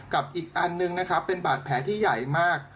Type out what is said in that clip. อีกอันนึงนะครับเป็นบาดแผลที่ใหญ่มาก